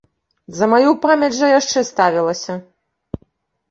За маю памяць жа яшчэ ставілася.